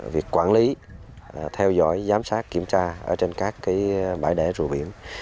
việc quản lý theo dõi giám sát kiểm tra ở trên các bãi đẻ rùa biển